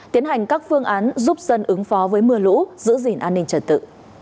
tiến hành các phương án giúp dân ứng phó với mưa lũ giữ gìn an ninh trật tự